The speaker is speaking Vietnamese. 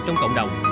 trong cộng đồng